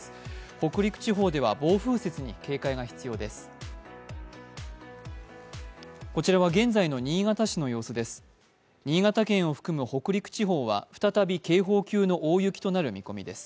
北陸地方では暴風雪に警戒が必要です。